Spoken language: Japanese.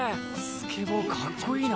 スケボーかっこいいな！